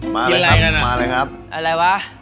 มาเลยครับอะไรวะมาเลยครับ